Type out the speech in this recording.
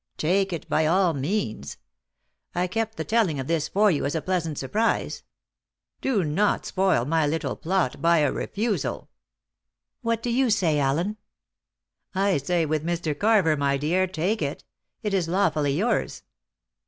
Take it by all means. I kept the telling of this for you as a pleasant surprise. Do not spoil my little plot by a refusal." "What do you say, Allen?" "I say with Mr. Carver, my dear, take it it is lawfully yours."